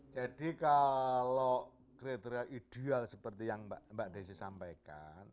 jadi kalau kriteria ideal seperti yang mbak desy sampaikan